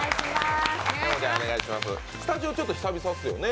スタジオちょっと久々ですよね。